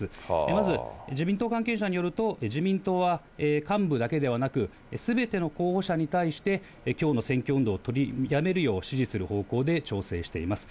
まず、自民党関係者によると、自民党は幹部だけではなく、すべての候補者に対して、きょうの選挙運動を取りやめるよう指示する方向で調整しています。